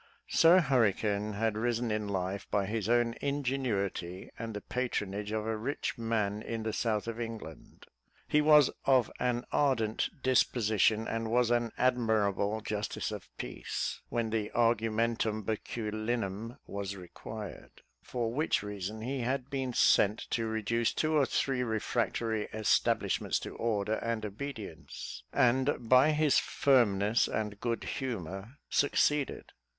Sir Hurricane had risen in life by his own ingenuity, and the patronage of a rich man in the South of England: he was of an ardent disposition, and was an admirable justice of peace, when the argumentum baculinum was required, for which reason he had been sent to reduce two or three refractory establishments to order and obedience; and, by his firmness and good humour, succeeded.